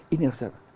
ini harus diapkan